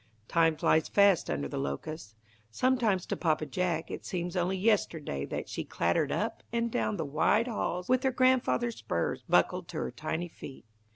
Time flies fast under the locusts. Sometimes to Papa Jack it seems only yesterday that she clattered up and down the wide halls with her grandfather's spurs buckled to her tiny feet.